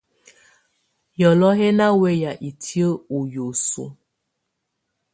Yɔlɔ̀ɔ̀ yɛ́ ná wɛyá itiǝ́ ɔ́ hiǝ́suǝ.